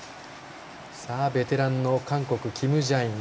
ベテランの韓国のキム・ジャイン。